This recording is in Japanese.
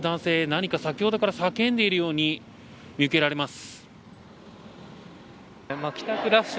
何か、先ほどから叫んでいるように見受けられます。